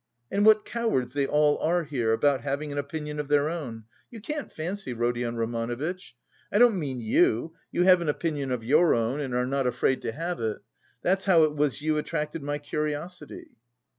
And what cowards they all are here, about having an opinion of their own, you can't fancy, Rodion Romanovitch. I don't mean you, you have an opinion of your own and are not afraid to have it. That's how it was you attracted my curiosity."